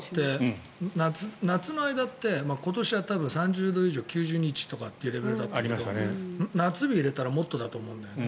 夏の間って今年は多分３０度以上９０日ってレベルだったけど夏日入れたらもっとだと思うんだよね。